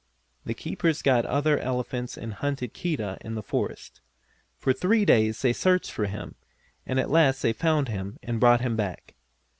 The keepers got other elephants and hunted Keedah in the forest. For three days they searched for him, and at last they found him and brought him back.